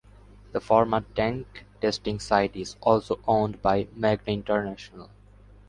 The former tank testing site is also owned by Magna International.